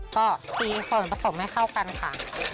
ก็ตีผลผสมให้เข้ากันค่ะ